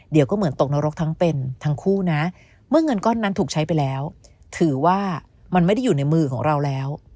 เดี๋ยวก็เหมือนตกนรกทั้งเป็นทั้งคู่นะเมื่อเงินก้อนนั้นถูกใช้ไปแล้วถือว่ามันไม่ได้อยู่ในมือของเราแล้ว